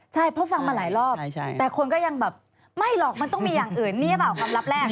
ใช่เพราะฟังมาหลายรอบแต่คนก็ยังแบบไม่หรอกมันต้องมีอย่างอื่นนี่หรือเปล่าความลับแรก